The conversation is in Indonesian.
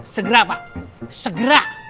segera pak segera